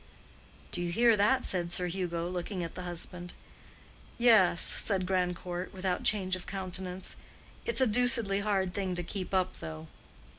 "Do you hear that?" said Sir Hugo, looking at the husband. "Yes," said Grandcourt, without change of countenance. "It's a deucedly hard thing to keep up, though."